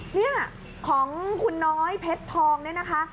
เนี่ยของคุณน้อยเพชรทองเนี่ยนะคะ